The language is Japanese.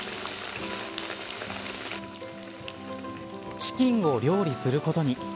チキンを料理することに。